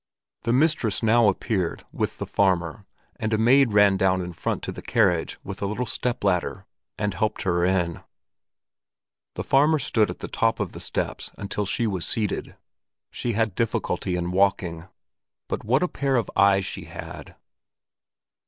The mistress now appeared, with the farmer, and a maid ran down in front to the carriage with a little stepladder, and helped her in. The farmer stood at the top of the steps until she was seated: she had difficulty in walking. But what a pair of eyes she had!